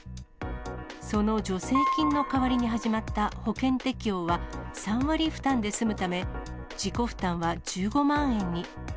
その助成金の代わりに始まった保険適用は、３割負担で済むため、自己負担は１５万円に。